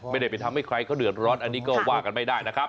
ไม่ได้ไปทำให้ใครเขาเดือดร้อนอันนี้ก็ว่ากันไม่ได้นะครับ